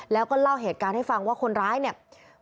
แล้วก็เล่าเหตุการณ์ให้ฟังว่าคนร้ายเนี่ย